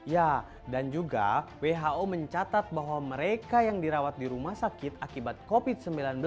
ya dan juga who mencatat bahwa mereka yang dirawat di rumah sakit akibat covid sembilan belas